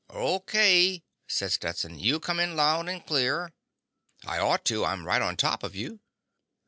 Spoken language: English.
"O.K.," said Stetson. "You come in loud and clear." "I ought to. I'm right on top of you!"